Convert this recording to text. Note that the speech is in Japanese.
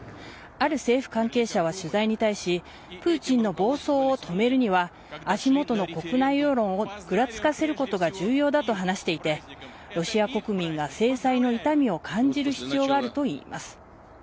ある政府関係者は取材に対しプーチンの暴走を止めるには足元の国内世論をぐらつかせることが重要だと話していてロシア国民が制裁の痛みを感じる必要があるといいます。